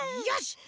よし！